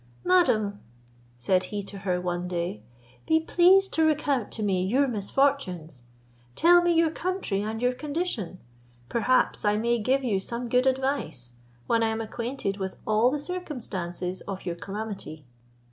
"Madam," said he to her one day, "be pleased to recount to me your misfortunes; tell me your country and your condition. Perhaps I may give you some good advice, when I am acquainted with all the circumstances of your calamity.